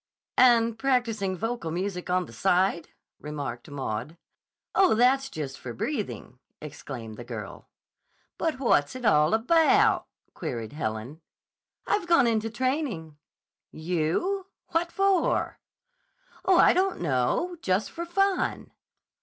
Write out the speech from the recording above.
"And practicing vocal music on the side," remarked Maud. "Oh, that's just for breathing," exclaimed the girl. "But what's it all about?" queried Helen. "I've gone into training." "You! What for?" "Oh, I don't know. Just for fun."